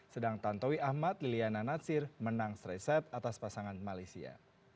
sedang tantowi ahmad liliana natsir menang serai set atas pasangan malaysia